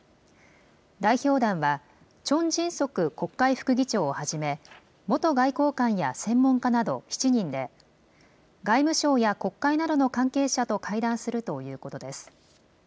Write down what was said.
代表団は、チョン・ジンソク国会副議長をはじめ、元外交官や専門家など７人で外務省や国会などの関係者と会談するということです。